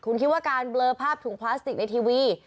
คุณคิดว่าการเบลอภาพถุงพลาสติกในทีวี